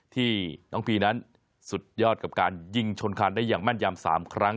ที่น้องพีนั้นสุดยอดกับการยิงชนคานได้อย่างแม่นยำ๓ครั้ง